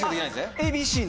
ＡＢＣの？